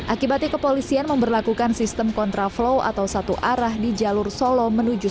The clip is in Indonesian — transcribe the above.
akibatnya kepolisian memperlakukan sistem kontraflow atau satu arah di jalur solo menuju